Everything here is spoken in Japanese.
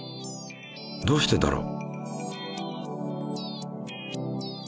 どうしてだろう？